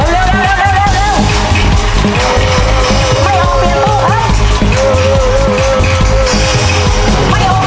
เร็วไม่ออกเปลี่ยนตู้ครับ